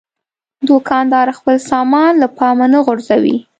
دوکاندار خپل سامان له پامه نه غورځوي.